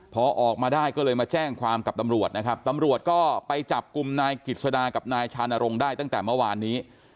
พอออกมาได้ก็เลยมาแจ้งความกับตำรวจนะครับตำรวจก็ไปจับกลุ่มนายกิจสดากับนายชานรงค์ได้ตั้งแต่เมื่อวานนี้